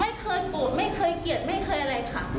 ไม่เคยโกรธไม่เคยเกลียดไม่เคยอะไรค่ะ